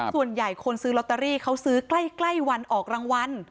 ส่วนใหญ่คนซื้อลอตเตอรี่เขาซื้อใกล้วันออกรางวัล